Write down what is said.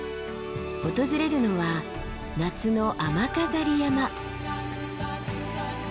訪れるのは夏の雨飾山。